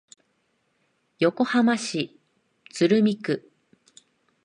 横浜市鶴見区